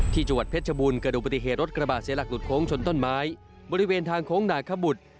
จังหวัดเพชรชบูรณกระดูกปฏิเหตุรถกระบาดเสียหลักหลุดโค้งชนต้นไม้บริเวณทางโค้งนาคบุตร